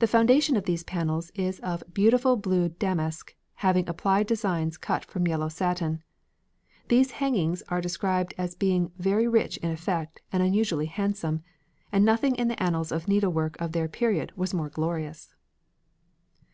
The foundation of these panels is of beautiful blue damask having applied designs cut from yellow satin. These hangings are described as being very rich in effect and unusually handsome, and nothing in the annals of needlework of their period was more glorious.